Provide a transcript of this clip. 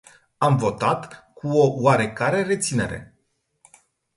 Am votat cu o oarecare reținere.